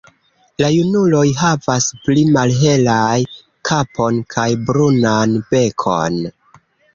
La junuloj havas pli malhelajn kapon kaj brunan bekon.